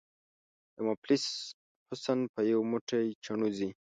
د مفلس حسن په یو موټی چڼو ځي.